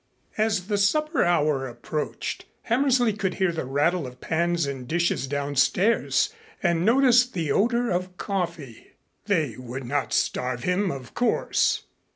As the supper hour approached, Hammersley could hear the rattle of pans and dishes downstairs and noticed the odor of coffee. They would not starve him, of course.